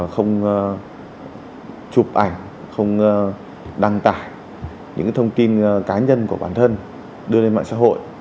không chụp ảnh không đăng tải những thông tin cá nhân của bản thân đưa lên mạng xã hội